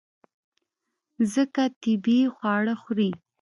ځکه طبیعي خواړه خوري.